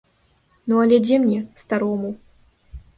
Ну але дзе мне, старому?